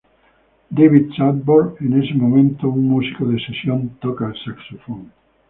David Sanborn, en ese momento un músico de sesión, toca el saxofón.